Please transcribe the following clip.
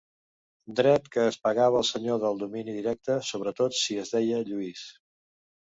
Dret que es pagava al senyor del domini directe, sobretot si es deia Lluís.